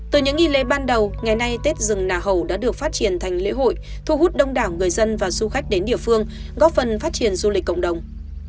từ những nghi lễ ban đầu ngày nay tết rừng nà hầu đã được phát triển thành lễ hội thu hút đông đảo người dân và du khách đến địa phương góp phần phát triển du lịch cộng đồng